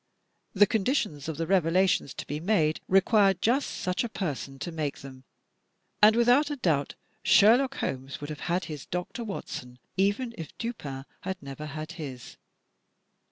The conditions of the revelations to be made require just such a person to make them; and without a doubt, Sherlock Holmes would have had his Dr. Watson even if Dupin had never had his.